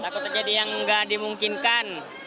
takut terjadi yang nggak dimungkinkan